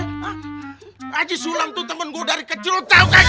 haji sulam tuh temen gua dari kecil tau gak